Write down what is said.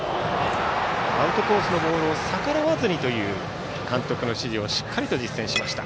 アウトコースのボールを逆らわずにという監督の指示をしっかりと実践しました。